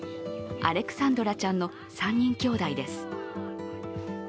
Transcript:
アレクサンドラちゃんの３人兄弟です。